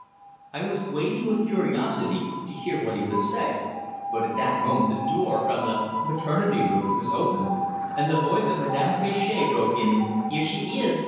I was waiting with curiosity to hear what he would say; but at that moment the door from the "maternity room" was opened, and the voice of Madame Planchet broke in: "Here she ees!"